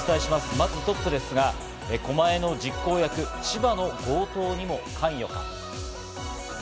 まずトップは狛江の実行役、千葉の強盗にも関与か。